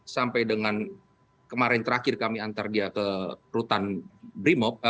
sampai dengan kemarin terakhir kami antar dia ke rutan brimob